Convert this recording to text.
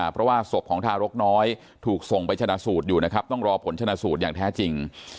เพราะว่าศพของทารกน้อยถูกส่งไปชนะสูตรอยู่นะครับต้องรอผลชนะสูตรอย่างแท้จริง